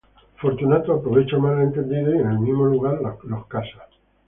Fortunato aprovecha el malentendido y en el mismo lugar los casa.